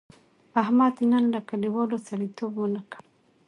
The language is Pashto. احمد نن له کلیوالو سړیتیوب و نه کړ.